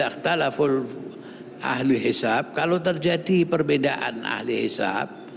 kalau terjadi perbedaan ahli hisab